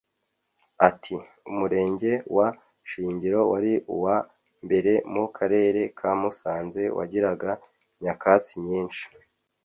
Ati “Umurenge wa Shingiro wari uwa mbere mu Karere ka Musanze wagiraga nyakatsi nyinshi